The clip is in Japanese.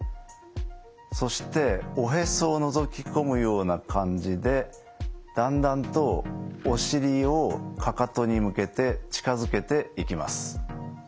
そしておへそをのぞき込むような感じでだんだんとお尻をかかとに向けて近づけていきます。